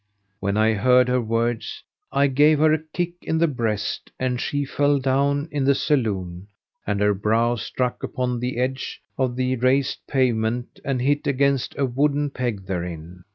When I heard her words, I gave her a kick in the breast and she fell down in the saloon and her brow struck upon the edge of the raised pavement and hit against a wooden peg therein.